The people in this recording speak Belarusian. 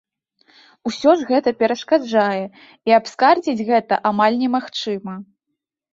Усё ж гэта перашкаджае, і абскардзіць гэта амаль не магчыма.